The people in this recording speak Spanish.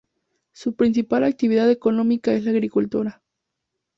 Su principal actividad económica es la agricultura.